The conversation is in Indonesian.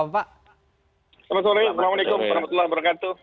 selamat sore assalamualaikum assalamualaikum wr wb